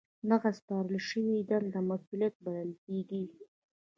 دغه سپارل شوې دنده مسؤلیت بلل کیږي.